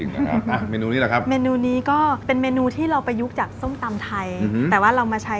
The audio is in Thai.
นะครับอ่ะเมนูนี้แหละครับเมนูนี้ก็เป็นเมนูที่เราประยุกต์จากส้มตำไทยแต่ว่าเรามาใช้